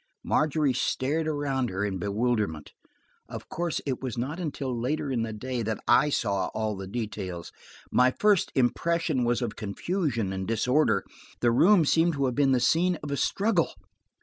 Margery stared around her in bewilderment. Of course, it was not until later in the day that I saw all the details. My first impression was of confusion and disorder: the room seemed to have been the scene of a struggle.